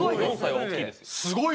すごい！